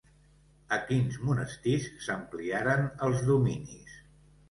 A quins monestirs s'ampliaren els dominis?